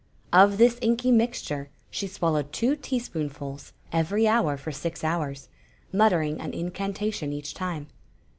Of inky mixture she swallowed two tea^poonfuls every hour for six hours, muttering an incantation each time.